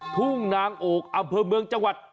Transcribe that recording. ทุ่งนางโอกอำเภอเมืองจังหวัด